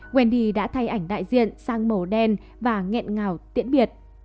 quen đi đã thay ảnh đại diện sang màu đen và nghẹn ngào tiễn biệt